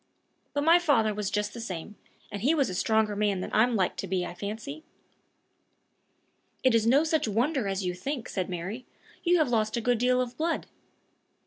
But my father was just the same, and he was a stronger man than I'm like to be, I fancy." "It is no such wonder as you think," said Mary; "you have lost a good deal of blood."